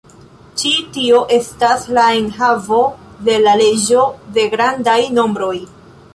Ĉi tio estas la enhavo de la leĝo de grandaj nombroj.